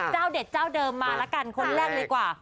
เจ้าเด็ดเจ้าเดิมมาแล้วกันคนแรกเลยกว่า